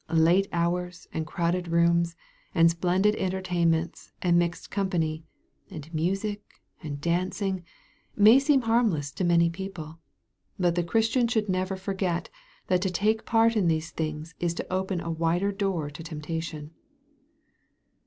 Late hours, and crowded rooms, and splendid entertainments, and mixed company, and music, and dancing, may seem harmless to many people. But the Christian should never forget, that to take part in these things is to open a wider door to temptation.